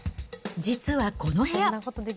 実はこの部屋。